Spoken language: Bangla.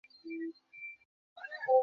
এমন করিয়া দিন আর কাটিতে চাহে না।